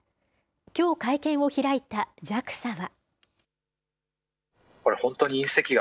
きょう会見を開いたＪＡＸＡは。